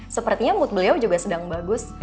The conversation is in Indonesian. sepertinya mood beliau juga sedang bagus